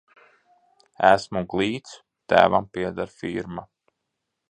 Esmu glīts, tēvam pieder firma.